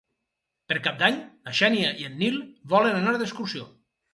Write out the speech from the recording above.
Per Cap d'Any na Xènia i en Nil volen anar d'excursió.